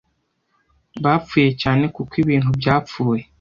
bapfuye cyane kuko ibintu byapfuye